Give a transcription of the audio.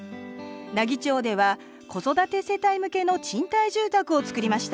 奈義町では子育て世帯向けの賃貸住宅をつくりました。